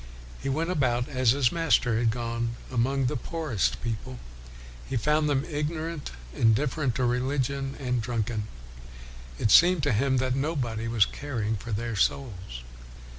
1 He went about, as his Master had gone, among the poorest people. He found them ignorant, indifferent to reli gion, and drunken. It seemed to him that nobody was caring for their souls.